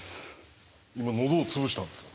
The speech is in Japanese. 今喉を潰したんですか？